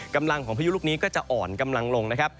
กำลังของพายุลูกนี้ก็จะอ่อนกำลังลงนะครับ